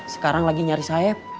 sekarang lagi nyari saep